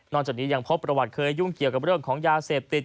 จากนี้ยังพบประวัติเคยยุ่งเกี่ยวกับเรื่องของยาเสพติด